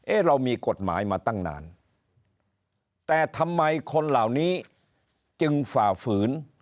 เรามีกฎหมายมาตั้งนานแต่ทำไมคนเหล่านี้จึงฝ่าฝืน